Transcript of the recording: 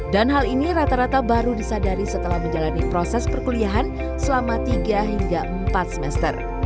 dan hal ini rata rata baru disadari setelah menjalani proses perkuliahan selama tiga hingga empat semester